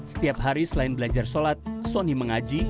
setiap hari selain belajar sholat sony mengaji